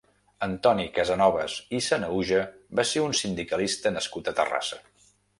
Antoni Casanovas i Sanahuja va ser un sindicalista nascut a Terrassa.